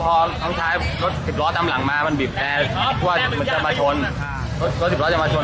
พอน้องชายรถสิบล้อตามหลังมามันบิดแปดรถสิบล้อจะมาชน